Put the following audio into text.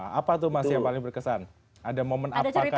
nah apa tuh mas yang paling berkesan ada momen apakah